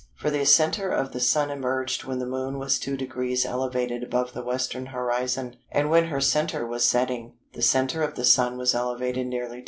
For the centre of the Sun emerged when the Moon was 2° elevated above the Western horizon, and when her centre was setting, the centre of the Sun was elevated nearly 2°."